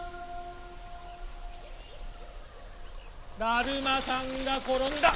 だるまさんがころんだ！